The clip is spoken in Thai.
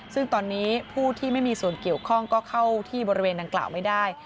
ซึ่งตอนนี้ผู้ที่ไม่มีส่วนเกี่ยวข้องก็เข้าที่บริเวณดังกล่าวไม่ได้